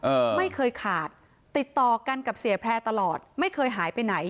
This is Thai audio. เออไม่เคยขาดติดต่อกันกับเสียแพร่ตลอดไม่เคยหายไปไหน